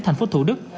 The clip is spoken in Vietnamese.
thành phố thủ đức